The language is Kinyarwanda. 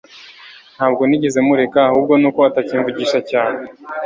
ntabwo nigeze mureka ahubwo nuko atakimvugisha cyane